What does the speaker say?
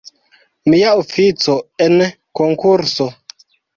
Mia ofico en konkurso!